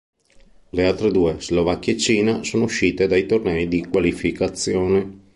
Le altre due, Slovacchia e Cina, sono uscite dai tornei di qualificazione.